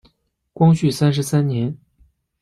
光绪三十三年。